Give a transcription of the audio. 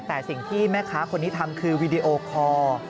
แต่สิ่งที่แม่ค้าคนนี้ทำคือวีดีโอคอร์